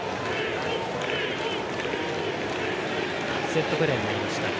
セットプレーになりました。